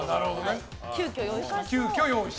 急きょ、用意しました。